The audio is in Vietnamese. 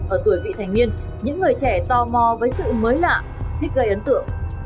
ở tuổi vị thành niên những người trẻ tò mò với sự mới lạ thích gây ấn tượng